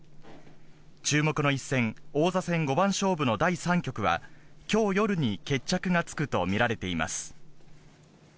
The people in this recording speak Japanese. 注目の一戦、王座戦五番勝負の第３局はきょう夜に決着がつくと見られています。